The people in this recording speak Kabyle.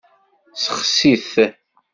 Sexsi-t.